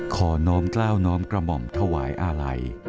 น้อมกล้าวน้อมกระหม่อมถวายอาลัย